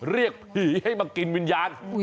เรียกผีให้มากินวิญญาณ